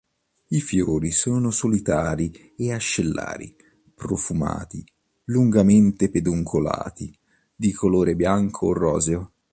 I fiori sono solitari e ascellari, profumati, lungamente peduncolati, di colore bianco o roseo.